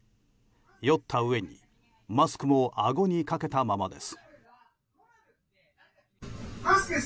酔ったうえにマスクもあごにかけたままです。